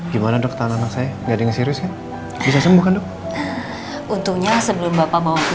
gimana dokter anak saya nggak ada yang serius kan bisa sembuh kan dok untungnya sebelum bapak mau ke